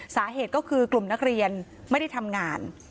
สาเหตุก็คือกลุ่มนักเรียนไม่ได้ทำงาน